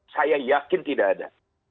saya yakin tidak ada